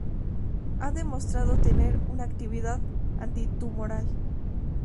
Ha demostrado tener un actividad antitumoral.